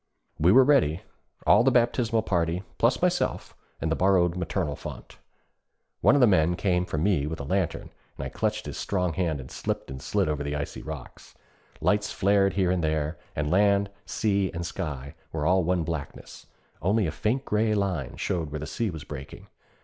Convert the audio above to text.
We were ready, all the baptismal party, plus myself and the borrowed 'maternal font.' One of the men came for me with a lantern, and I clutched his strong hand and slipped and slid over the icy rocks. Lights flared here and there, and land, sea, and sky were all one blackness; only a faint gray line showed where the sea was breaking.